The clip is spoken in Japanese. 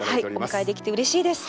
お迎えできてうれしいです。